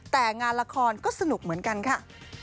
แต่งานละครก็สนุกเหมือนกันค่ะ